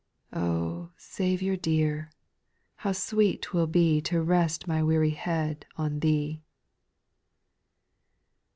Oh, Saviour dear ! how sweet 't will be To rest my weary head on Thee.